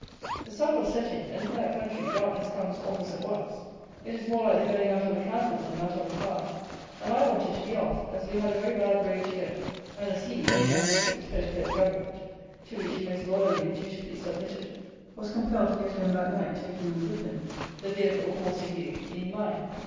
The sun was setting, and, in that country, darkness comes almost at once; it is more like the going out of a candle than that of a fire; and I wanted to be off, as we had a very bad road to go, and as he, being under strict petticoat government, to which he most loyally and dutifully submitted, was compelled to get home that night, taking me with him, the vehicle (horse and gig) being mine.